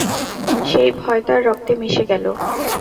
সেই ভয় তাঁর রক্তে মিশে গেল।